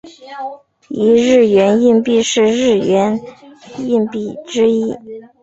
一日圆硬币是日圆硬币之一。